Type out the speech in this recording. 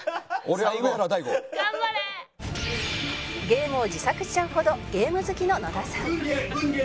ゲームを自作しちゃうほどゲーム好きの野田さん